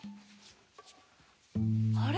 あれ？